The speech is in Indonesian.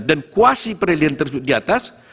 dan kuasi peradilan tersebut diatas